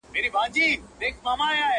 ما یې خالي انګړ ته وکړل سلامونه؛